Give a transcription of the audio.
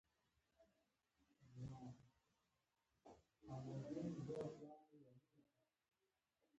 خوښي او خوشالي وه.